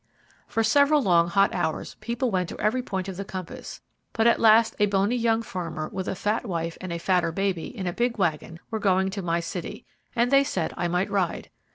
For several long, hot hours people went to every point of the compass, but at last a bony young farmer, with a fat wife, and a fatter baby, in a big wagon, were going to my city, and they said I might ride.